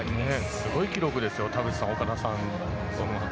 すごい記録ですよ田淵さん、岡田さんと。